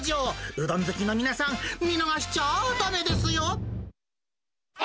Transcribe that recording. うどん好きの皆さん、見逃しちゃあだめですよ。